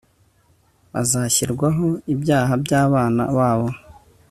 bazashyirwaho ibyaha byabana babo